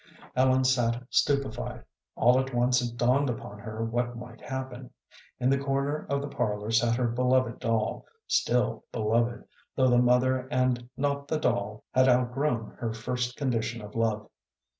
Ellen sat stupefied. All at once it dawned upon her what might happen. In the corner of the parlor sat her beloved doll, still beloved, though the mother and not the doll had outgrown her first condition of love.